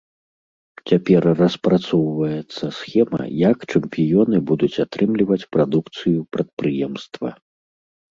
Цяпер распрацоўваецца схема, як чэмпіёны будуць атрымліваць прадукцыю прадпрыемства.